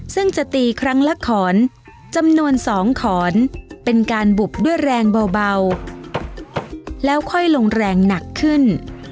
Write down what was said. ซึ่งจะตีครั้งละขอนจำนวน๒ขอนเป็นการบุบด้วยแรงเบาแล้วค่อยลงแรงหนักขึ้น